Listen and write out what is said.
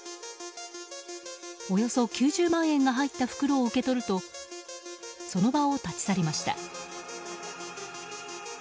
およそ９０万円が入った袋を受け取るとその場を立ち去りました。